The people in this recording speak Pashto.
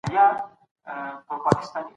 موږ د پديدو تر منځ اړيکي پلټو.